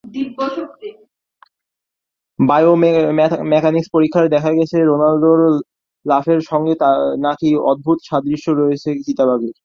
Biomechanics পরীক্ষায় দেখা গেছে, রোনালদোর লাফের সঙ্গে নাকি অদ্ভুত সাদৃশ্য রয়েছে চিতা বাঘের।